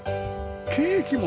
ケーキも！